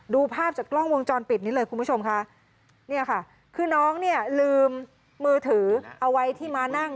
ดูภาพจากกล้องวงจรปิดนี้เลยคุณผู้ชมค่ะเนี่ยค่ะคือน้องเนี่ยลืมมือถือเอาไว้ที่ม้านั่ง